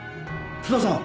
津田さん